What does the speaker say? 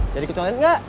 jadi ke kondet nggak